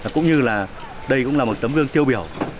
cũng như là đây cũng là một tấm gương tiêu biểu